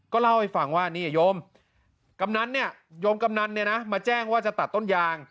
ก็เล่าให้ฟังว่านี่ไอ้โยมยมกำนันมาแจ้งว่าจะตัดต้นยาง